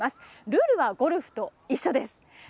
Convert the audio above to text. ルールはゴルフと一緒です。